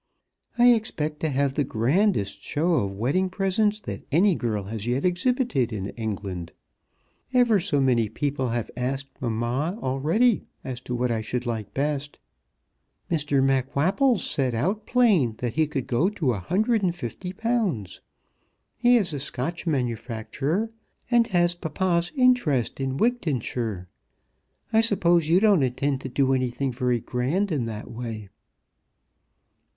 I expect to have the grandest show of wedding presents that any girl has yet exhibited in England. Ever so many people have asked mamma already as to what I should like best. Mr. MacWhapple said out plain that he would go to a hundred and fifty pounds. He is a Scotch manufacturer, and has papa's interest in Wigtonshire. I suppose you don't intend to do anything very grand in that way."